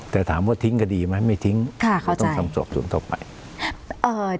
แต่ถามว่าทิ้งก็ดีไหมไม่ทิ้งก็ต้องทำสอบส่วนเท่าไหร่